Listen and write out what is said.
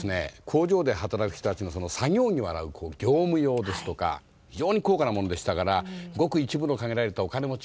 工場で働く人たちのその作業着を洗う業務用ですとか非常に高価なものでしたからごく一部の限られたお金持ちが持っているという。